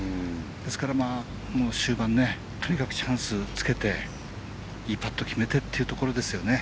ですから、終盤とにかくチャンスにつけていいパット決めてというところですよね。